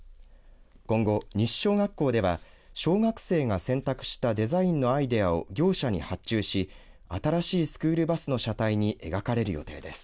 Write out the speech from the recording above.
今後、西小学校では小学生が選択したデザインのアイデアを業者に発注し新しいスクールバスの車体に描かれる予定です。